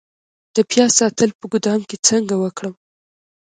د پیاز ساتل په ګدام کې څنګه وکړم؟